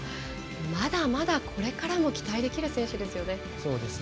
まだまだ、これからも期待できる選手ですよね。